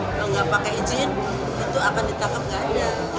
kalau tidak pakai izin itu akan ditangkap tidak